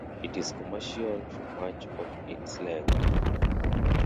It is commercial for much of its length.